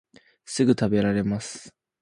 すぐたべられます